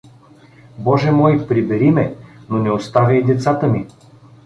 Боже мой, прибери ме, но не оставяй децата ми!